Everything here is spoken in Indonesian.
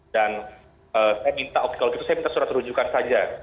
dan saya minta kalau begitu saya minta surat rujukan saja